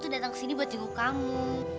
aku tuh datang ke sini buat jenguk kamu